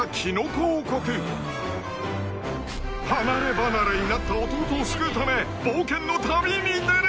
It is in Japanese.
［離れ離れになった弟を救うため冒険の旅に出る！］